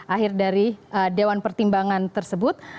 akhir dari dewan pertimbangan tersebut